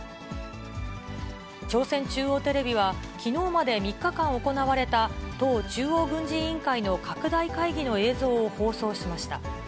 朝鮮中央テレビは、きのうまで３日間行われた、党中央軍事委員会の拡大会議の映像を放送しました。